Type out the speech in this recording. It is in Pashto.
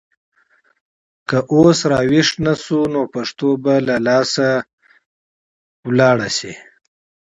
که اوس راویښ نه شو نو پښتو به له لاسه لاړه شي.